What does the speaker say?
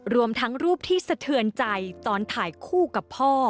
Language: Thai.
รวมทั้งรูปที่สะเทือนใจตอนถ่ายคู่กับพ่อ